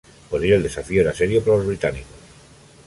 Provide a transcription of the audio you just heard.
Por ello, el desafío era serio para los británicos.